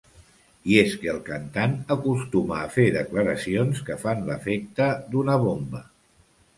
I és que el cantant acostuma a fer declaracions que fan l'efecte d'una bomba.